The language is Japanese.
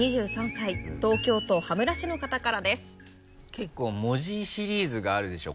結構文字シリーズがあるでしょ？